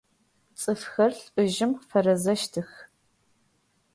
Цӏыфхэр лӏыжъым фэрэзэщтых.